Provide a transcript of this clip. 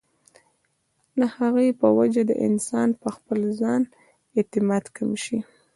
د هغې پۀ وجه د انسان پۀ خپل ځان اعتماد کم شي